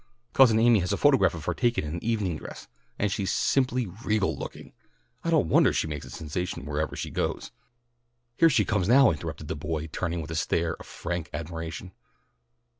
Cousin Amy has a photograph of her taken in evening dress, and she's simply regal looking. I don't wonder she makes a sensation wherever she goes." "Here she comes now," interrupted the boy, turning with a stare of frank admiration.